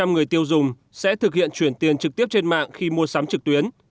ba mươi người tiêu dùng sẽ thực hiện chuyển tiền trực tiếp trên mạng khi mua sắm trực tuyến